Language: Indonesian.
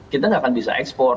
kita nggak akan bisa ekspor